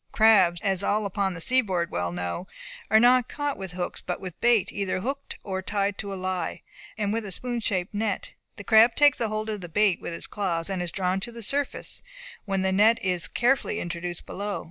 Crabs, as all upon the seaboard well know, are not caught with hooks, but with bait either hooked or tied to a lie, and with a spoon shaped net. The crab takes hold of the bait with its claws, and is drawn to the surface, when the net is carefully introduced below.